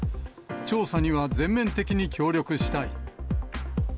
調査には全面的に協力したい。